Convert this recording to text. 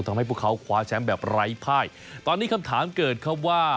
ทำให้พวกเขาคว้าแชมป์แบบไร้ภายตอนนี้คำถามเกิดครับว่า